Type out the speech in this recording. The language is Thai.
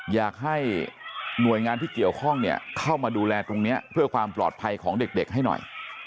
อยากให้หน่วยงานที่เกี่ยวข้องเนี่ยเข้ามาดูแลตรงนี้เพื่อความปลอดภัยของเด็กให้หน่อย